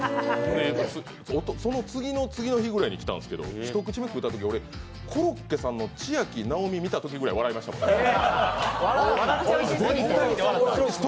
で、その次の次の日くらいに来たんですけど、一口目食うたとき、コロッケさんのちあきなおみを見たときぐらい笑いましたもん。